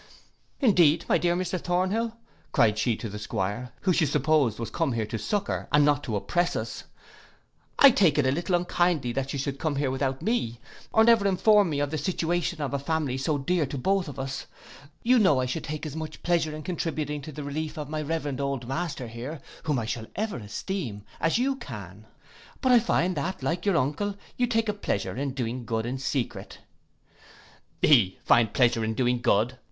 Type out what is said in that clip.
'Indeed, my dear Mr Thornhill,' cried she to the 'Squire, who she supposed was come here to succour and not to oppress us, 'I take it a little unkindly that you should come here without me, or never inform me of the situation of a family so dear to us both: you know I should take as much pleasure in contributing to the relief of my reverend old master here, whom I shall ever esteem, as you can. But I find that, like your uncle, you take a pleasure in doing good in secret.' 'He find pleasure in doing good!